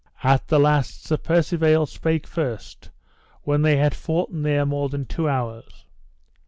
At the last Sir Percivale spake first when they had foughten there more than two hours.